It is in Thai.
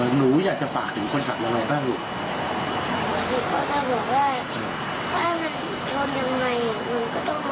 ชนยังไงมันก็ต้องลงมาดูว่าทำไมมันเป็นยังไงบ้างค่ะ